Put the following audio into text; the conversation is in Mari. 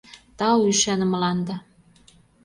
Тау ӱшанымыланда.